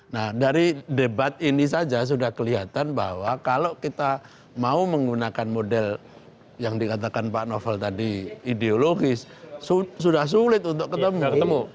nah dari debat ini saja sudah kelihatan bahwa kalau kita mau menggunakan model yang dikatakan pak novel tadi ideologis sudah sulit untuk ketemu